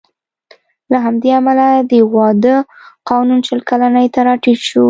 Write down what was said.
له همدې امله د واده قانون شل کلنۍ ته راټیټ شو